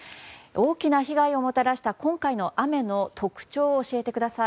大きな被害をもたらした今回の雨の特徴を教えてください。